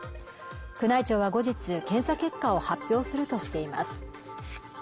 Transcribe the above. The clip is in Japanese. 宮内庁は後日検査結果を発表するとしています